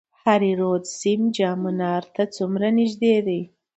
هریرود سیند جام منار ته څومره نږدې دی؟